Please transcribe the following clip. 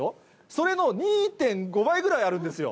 それの２．５倍ぐらいあるんですよ。